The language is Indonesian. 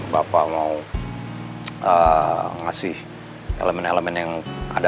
bapak mau ngasih elemen elemen yang ada